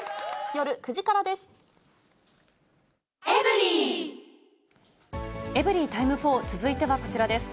夜９時からです。